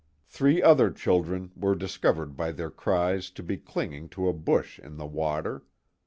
Three other children were discovered by their cries to be clinging to a bush in the water.